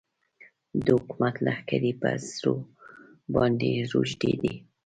د حکومت لښکرې هم په زرو باندې روږدې دي.